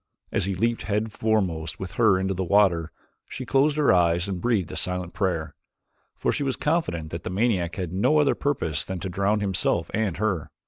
As he leaped head foremost with her into the water, she closed her eyes and breathed a silent prayer, for she was confident that the maniac had no other purpose than to drown himself and her.